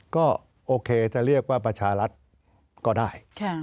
ก็โอเคจะเรียกว่าประชารัฐก็ได้